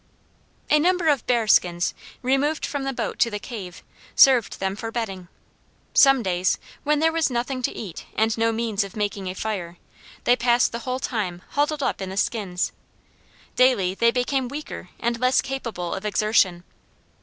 A number of bear skins, removed from the boat to the cave, served them for bedding. Some days, when there was nothing to eat and no means of making a fire, they passed the whole time huddled up in the skins. Daily they became weaker and less capable of exertion.